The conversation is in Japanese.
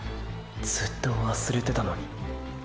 ずっと忘れてたのに。